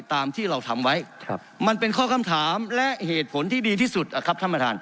ตามที่เราทำไว้มันเป็นข้อคำถามและเหตุผลที่ดีที่สุดนะครับท่านประธาน